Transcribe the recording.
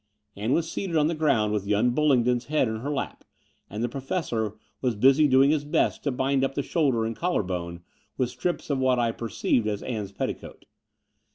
Ann was seated on the ground with young Bullingdon's head in her lap; and the Professor was busy doing his best to bind up the shoulder and collar bone with strips of what I recognized as Ann's petticoat.